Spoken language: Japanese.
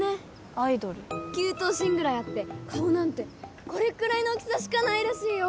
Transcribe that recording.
アイドル９頭身ぐらいあって顔なんてこれくらいの大きさしかないらしいよ